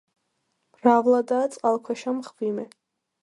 მრავლადაა წყალქვეშა მღვიმე.